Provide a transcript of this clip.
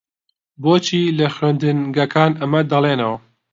بۆچی لە خوێندنگەکان ئەمە دەڵێنەوە؟